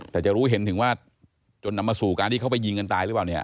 แต่จะรู้เห็นถึงว่าจนนำมาสู่การที่เขาไปยิงกันตายหรือเปล่าเนี่ย